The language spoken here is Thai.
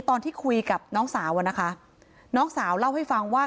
ตอนที่คุยกับน้องสาวอะนะคะน้องสาวเล่าให้ฟังว่า